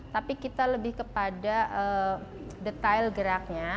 tapi kita lebih kepada detail geraknya